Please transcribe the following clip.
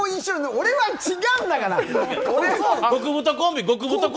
俺は違うんだから！